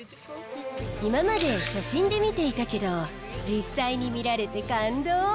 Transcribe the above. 今まで写真で見ていたけど、実際に見られて感動。